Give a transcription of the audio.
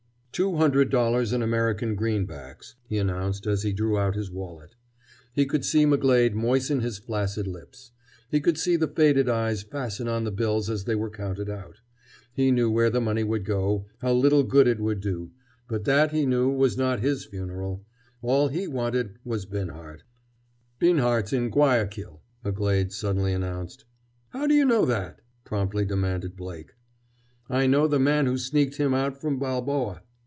"Two hundred dollars in American greenbacks," he announced as he drew out his wallet. He could see McGlade moisten his flaccid lips. He could see the faded eyes fasten on the bills as they were counted out. He knew where the money would go, how little good it would do. But that, he knew, was not his funeral. All he wanted was Binhart. "Binhart's in Guayaquil," McGlade suddenly announced. "How d' you know that?" promptly demanded Blake. "I know the man who sneaked him out from Balboa.